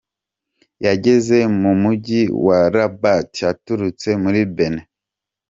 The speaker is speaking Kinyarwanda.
Yageze mu Mujyi wa Rabat aturutse muri Benin.